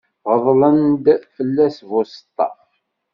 Ɣeḍlen-d fell-as buseṭṭaf.